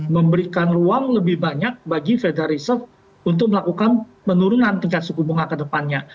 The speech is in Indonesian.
memberikan ruang lebih banyak bagi federal reserve untuk melakukan penurunan tingkat suku bunga ke depannya